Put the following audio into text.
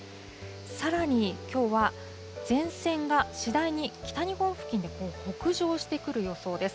さらにきょうは、前線が次第に北日本付近に北上してくる予想です。